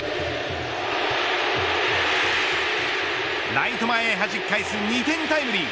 ライト前へはじき返す２点タイムリー。